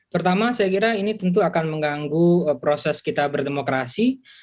pertama saya kira ini tentu akan mengganggu proses kita berdemokrasi